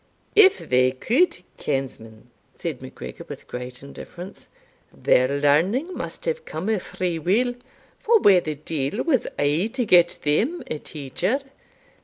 "If they could, kinsman," said MacGregor, with great indifference, "their learning must have come o' free will, for whar the deil was I to get them a teacher?